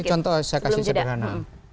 contoh saya kasih sederhana